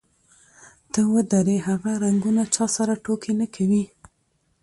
ته ودرې، هغه رنګونه چا سره ټوکې نه کوي.